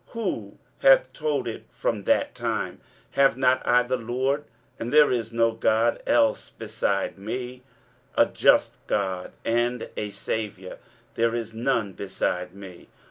who hath told it from that time? have not I the LORD? and there is no God else beside me; a just God and a Saviour; there is none beside me.